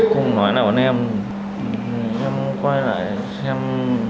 không nói nào còn em